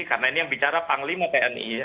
karena ini yang bicara panglima tni ya